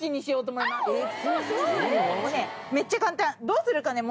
どうするかね